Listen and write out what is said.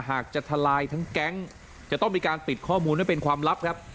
หากจะทลายทั้งแก๊งจะต้องมีการติดข้อมูลให้เป็นความลับครับ